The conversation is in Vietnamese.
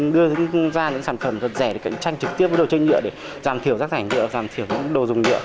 để giảm thiểu rác rảnh nhựa giảm thiểu những đồ dùng nhựa